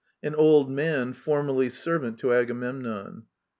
An Old yLxtf^ formerly servant to Agamemnon.